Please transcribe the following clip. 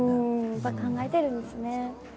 やっぱ考えてるんですね。